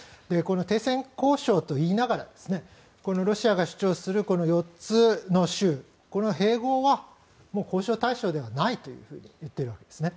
停戦交渉と言いながらロシアが主張する４つの州、この併合は交渉対象ではないと言っているわけですね。